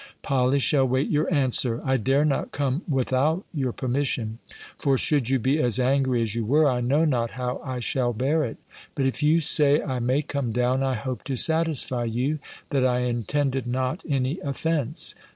(Polly shall wait your answer). I dare not come without your permission; for should you be as angry as you were, I know not how I shall bear it. But if you say I may come down, I hope to satisfy you, that I intended not any offence.